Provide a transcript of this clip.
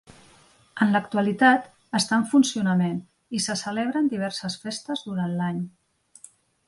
En l'actualitat està en funcionament i se celebren diverses festes durant l'any.